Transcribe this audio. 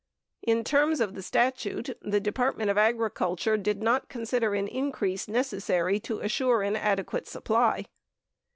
88 In terms of the statute, the Department of Agriculture did not consider an increase necessary to "assure an adequate supply."